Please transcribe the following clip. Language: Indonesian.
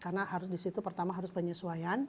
karena harus di situ pertama harus penyesuaian